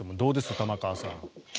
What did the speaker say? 玉川さん。